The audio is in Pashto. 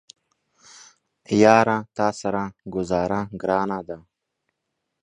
یاره تاسره ګوزاره ګرانه ده